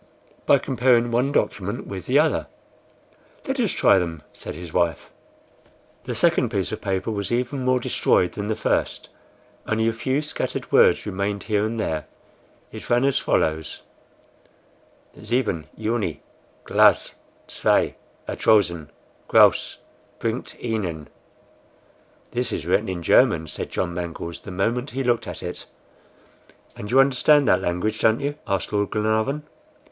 "By comparing one document with the other." "Let us try them," said his wife. The second piece of paper was even more destroyed than the first; only a few scattered words remained here and there. It ran as follows: 7 Juni Glas zwei atrosen graus bringt ihnen "This is written in German," said John Mangles the moment he looked at it. "And you understand that language, don't you?" asked Lord Glenarvan.